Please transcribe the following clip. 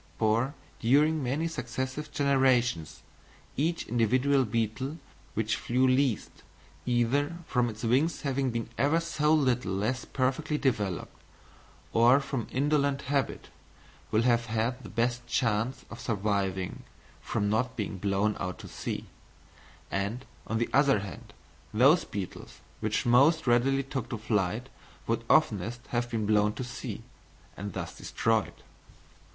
For during many successive generations each individual beetle which flew least, either from its wings having been ever so little less perfectly developed or from indolent habit, will have had the best chance of surviving from not being blown out to sea; and, on the other hand, those beetles which most readily took to flight would oftenest have been blown to sea, and thus destroyed.